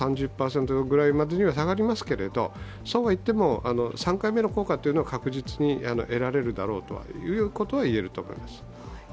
３０％ぐらいまでには下がりますけれども、そうはいっても、３回目の効果は確実に得られるだろうとはいえると思います。